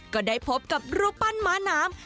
ก็ได้พบกับรูปปั้นม้าน้ำ